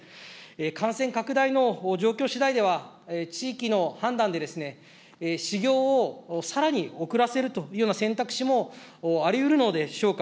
感染拡大の状況しだいでは、地域の判断で、始業をさらに遅らせるというような選択肢もありうるのでしょうか。